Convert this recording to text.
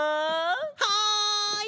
はい！